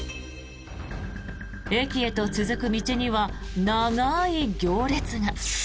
駅へと続く道には長い行列が。